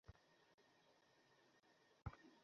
যে প্রকারে পার, তাহার ঠিকানা আমায় দিবে।